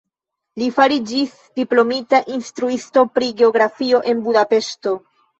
Li fariĝis diplomita instruisto pri geografio en Budapeŝto.